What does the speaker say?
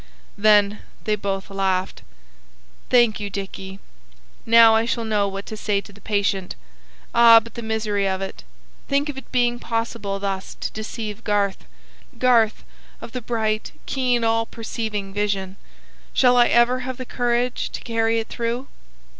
Then they both laughed. "Thank you, Dicky. Now I shall know what to say to the patient. Ah, but the misery of it! Think of it being possible thus to deceive Garth, Garth of the bright, keen all perceiving vision! Shall I ever have the courage to carry it through?"